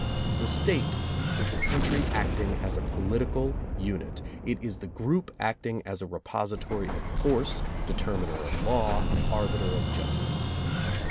The State is the country acting as a political unit, it is the group acting as a repository of force, determiner of law, arbiter of justice.